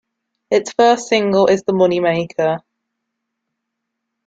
Its first single is "The Moneymaker".